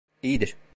İyidir.